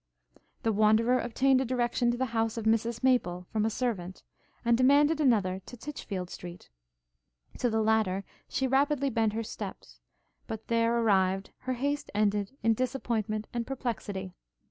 The Wanderer obtained a direction to the house of Mrs Maple, from a servant; and demanded another to Titchfield Street. To the latter she rapidly bent her steps; but, there arrived, her haste ended in disappointment and perplexity.